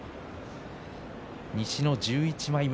西の１１枚目。